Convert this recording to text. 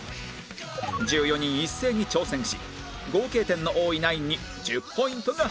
１４人一斉に挑戦し合計点の多いナインに１０ポイントが入ります